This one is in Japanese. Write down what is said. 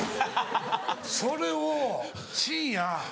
それを深夜。